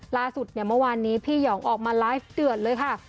ล่าสุดเนี่ยเมื่อวานนี้พี่หองออกมาไลฟ์เดือดเลยค่ะ